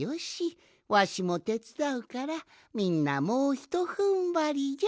わしもてつだうからみんなもうひとふんばりじゃ！